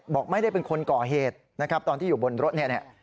บอกไม่ได้เป็นคนก่อเหตุนะครับตอนที่อยู่บนรถเนี่ย